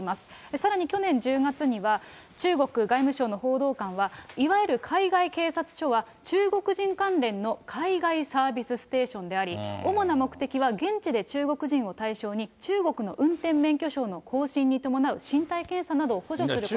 さらに去年１０月には、中国外務省の報道官は、いわゆる海外警察署は中国人関連の海外サービスステーションであり、主な目的は現地で中国人を対象に、中国の運転免許証の更新に伴う身体検査などを補助することだと。